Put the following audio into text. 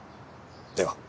では。